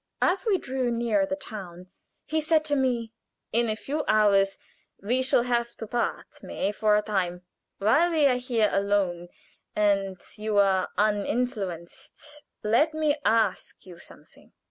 As we drew nearer the town, he said to me: "In a few hours we shall have to part, May, for a time. While we are here alone, and you are uninfluenced, let me ask you something.